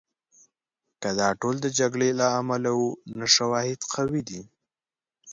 که دا ټول د جګړې له امله وو، نو شواهد قوي دي.